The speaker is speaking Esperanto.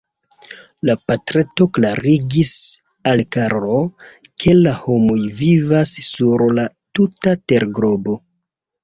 La patreto klarigis al Karlo, ke la homoj vivas sur la tuta terglobo.